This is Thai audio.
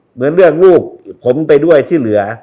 เหมือนเลือกลูกผมไปด้วยที่เหลือ